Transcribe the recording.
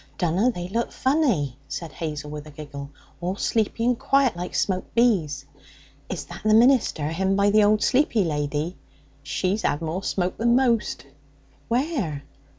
'Dunna they look funny!' said Hazel with a giggle. 'All sleepy and quiet, like smoked bees. Is that the Minister? Him by the old sleepy lady she's had more smoke than most!' 'Where?'